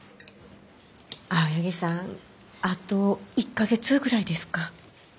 青柳さんあと１か月ぐらいですか？